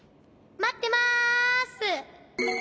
まってます！